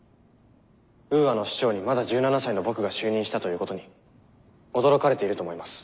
ウーアの首長にまだ１７才の僕が就任したということに驚かれていると思います。